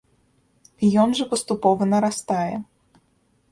Ён жа паступова нарастае.